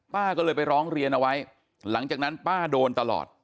ป้าก็เลยไปร้องเรียนเอาไว้หลังจากนั้นป้าโดนตลอด